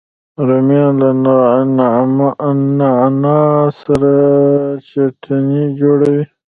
رومیان له نعنا سره چټني جوړوي